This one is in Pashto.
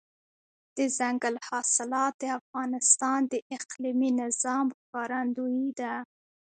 دځنګل حاصلات د افغانستان د اقلیمي نظام ښکارندوی ده.